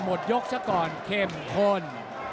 หมดยกชะกรเข็มข้น